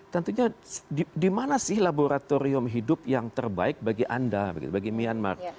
tentunya di mana sih laboratorium hidup yang terbaik bagi anda bagi myanmar